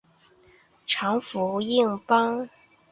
长蝠硬蜱为硬蜱科硬蜱属下的一个种。